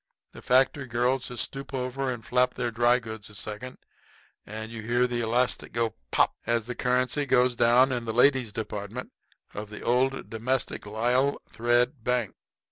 The factory girls just stoop over and flap their dry goods a second, and you hear the elastic go "pop" as the currency goes down in the ladies' department of the "Old Domestic Lisle Thread Bank."